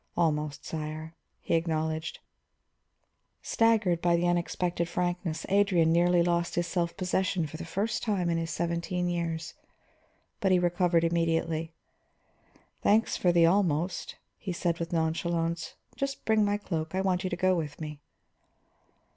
"Almost, sire," he acknowledged. Staggered by the unexpected frankness, Adrian nearly lost his self possession for the first time in his seventeen years. But he recovered immediately. "Thanks for the 'almost'," he said with nonchalance. "Just bring my cloak; I want you to go with me."